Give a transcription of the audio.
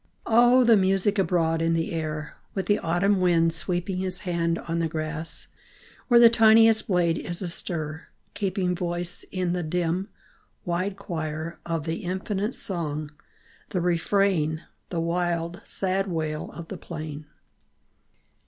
O the music abroad in the air, With the autumn wind sweeping His hand on the grass, where The tiniest blade is astir, keeping Voice in the dim, wide choir, Of the infinite song, the refrain, The wild, sad wail of the plain